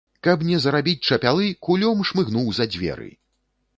Каб не зарабіць чапялы, кулём шмыгнуў за дзверы.